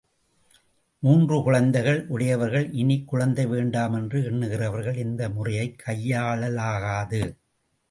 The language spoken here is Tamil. மூன்று குழந்தைகள் உடையவர்கள், இனிக் குழந்தை வேண்டாம் என்று எண்ணுகிறவர்கள் இந்த முறையைக் கையாளலாகாது.